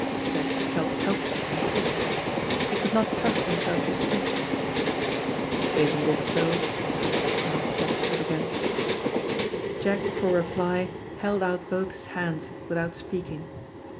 Jack felt helpless and sick. He could not trust himself to speak. "Isn't it so?" asked Chesterford again. Jack for reply held out both his hands without speaking.